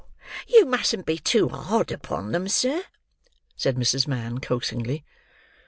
"Oh! you mustn't be too hard upon them, sir," said Mrs. Mann, coaxingly.